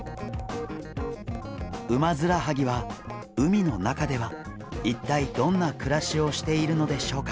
ウマヅラハギは海の中では一体どんな暮らしをしているのでしょうか？